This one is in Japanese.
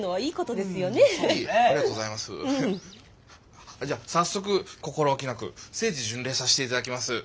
あじゃあ早速心おきなく聖地巡礼さして頂きます。